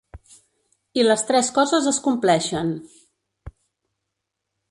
I les tres coses es compleixen.